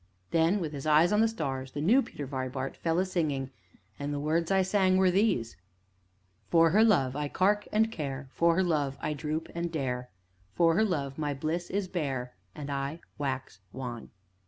Then, with his eyes on the stars, the new Peter Vibart fell a singing, and the words I sang were these: "For her love I carke, and care, For her love I droop, and dare, For her love my bliss is bare. And I wax wan!"